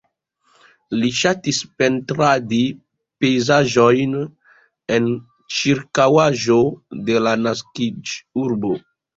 Li ŝatis pentradi pejzaĝojn en ĉirkaŭaĵo de la naskiĝurbo.